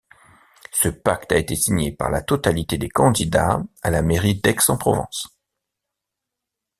Ce pacte a été signé par la totalité des candidats à la mairie d'Aix-en-Provence.